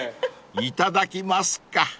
［いただきますか］